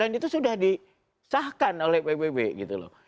dan itu sudah disahkan oleh pbb gitu loh